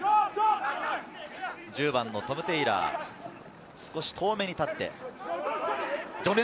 １０番のトム・テイラー、少し遠目に立って。